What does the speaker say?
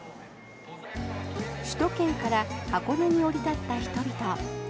首都圏から箱根に降り立った人々。